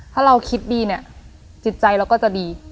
ถ้าเราคิดดีเนี่ยจิตใจเราก็จะดี